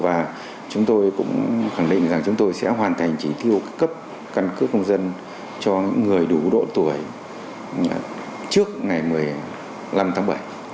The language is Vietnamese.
và chúng tôi cũng khẳng định rằng chúng tôi sẽ hoàn thành chỉ tiêu cấp căn cước công dân cho những người đủ độ tuổi trước ngày một mươi năm tháng bảy